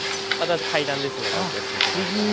階段ですのでお気を付け下さい。